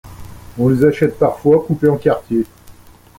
On les achète parfois coupés en quartiers.